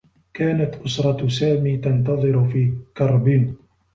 كانت أسرة سامي تنتظر في كرب.